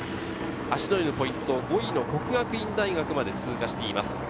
芦之湯のポイント、５位の國學院大學まで通過しています。